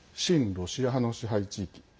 ロシア派の支配地域